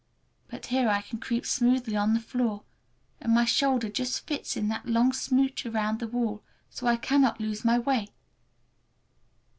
But here I can creep smoothly on the floor, and my shoulder just fits in that long smooch around the wall, so I cannot lose my way.